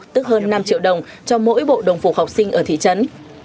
tức hơn năm triệu đồng cho mỗi bộ đồng phục học sinh ở thị trấn